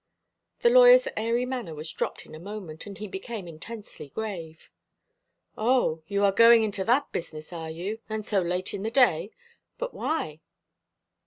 The lawyer's airy manner was dropped in a moment, and he became intensely grave. "O, you are going into that business, are you, and so late in the day? But why?"